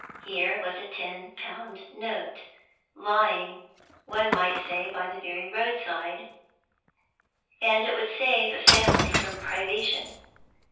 Here was a ten pound note lying, one might say, by the very roadside, and it would save a family from privation.